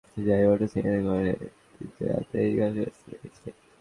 জেএমবির বেশির ভাগ ঘটনায় দেখা যায়, মোটরসাইকেলে করে তিনজন আঁততায়ী ঘটনাস্থলে গেছে।